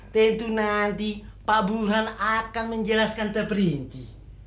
tentu nanti pak burhan akan menjelaskan terperinci